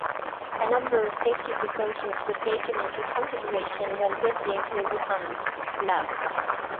A number of safety precautions were taken into consideration when building the Wuhan lab.